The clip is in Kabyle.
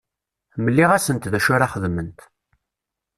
Mliɣ-asent d acu ara xedment.